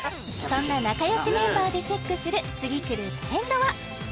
そんな仲よしメンバーでチェックする次くるトレンドは？